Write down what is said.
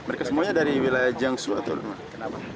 mereka semuanya dari wilayah jiangsu atau apa